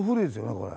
これ。